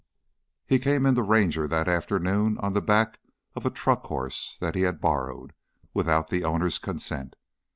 He came into Ranger that afternoon on the back of a truck horse that he had borrowed without the owner's consent.